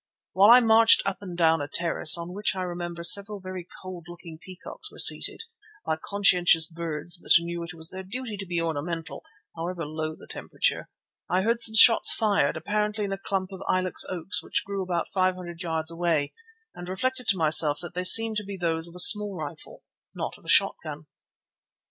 While I marched up and down a terrace, on which, I remember, several very cold looking peacocks were seated, like conscientious birds that knew it was their duty to be ornamental, however low the temperature, I heard some shots fired, apparently in a clump of ilex oaks which grew about five hundred yards away, and reflected to myself that they seemed to be those of a small rifle, not of a shotgun.